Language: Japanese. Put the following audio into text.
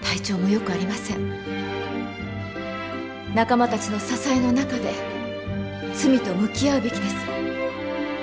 仲間たちの支えの中で罪と向き合うべきです。